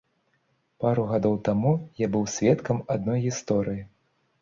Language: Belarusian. Пару гадоў таму я быў сведкам адной гісторыі.